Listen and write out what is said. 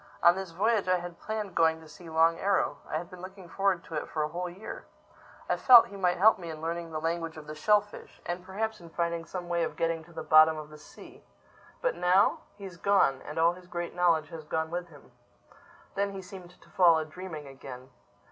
On this voyage I had planned going to see Long Arrow. I had been looking forward to it for a whole year. I felt he might help me in learning the language of the shellfish—and perhaps in finding some way of getting to the bottom of the sea. But now?—He's gone! And all his great knowledge has gone with him." Then he seemed to fall a dreaming again.